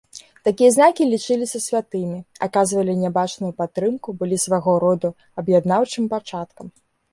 Такія знакі лічыліся святымі, аказвалі нябачную падтрымку, былі свайго роду аб'яднаўчым пачаткам.